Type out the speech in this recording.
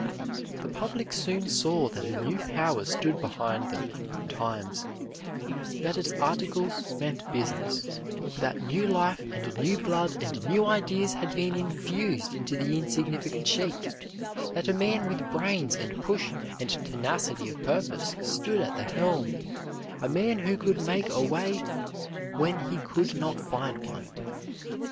The public soon saw that a new power stood behind the "Times"; that its articles meant business; that new life and new blood and new ideas had been infused into the insignificant sheet; that a man with brains and push and tenacity of purpose stood at the helm, a man who could make a way when he could not find one.